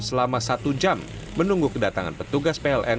selama satu jam menunggu kedatangan petugas pln